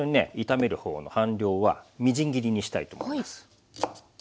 炒めるほうの半量はみじん切りにしたいと思います。